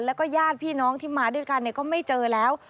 แล้วก็ญาติพี่น้องที่มาด้วยกันก็ไม่เจอแล้ว